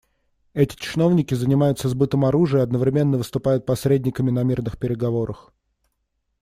Эти чиновники занимаются сбытом оружия и одновременно выступают посредниками на мирных переговорах.